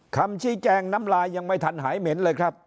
คำชี้แจงน้ำลายยังไม่ทันหายเหม็นเลยครับ